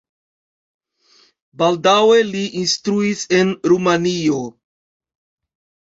Baldaŭe li instruis en Rumanio.